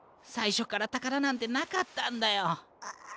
さいしょからたからなんてなかったんだよ。